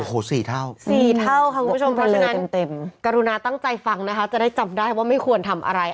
โอ้โห๔เท่า๔เท่าค่ะคุณผู้ชมเพราะฉะนั้นกรุณาตั้งใจฟังนะคะจะได้จำได้ว่าไม่ควรทำอะไร